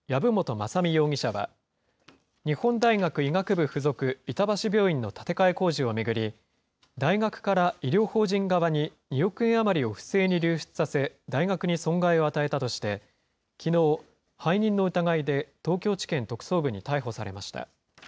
雅巳容疑者は、日本大学医学部附属板橋病院の建て替え工事を巡り、大学から医療法人側に２億円余りを不正に流出させ、大学に損害を与えたとして、きのう、背任の疑いで東京地検特捜部に逮捕されました。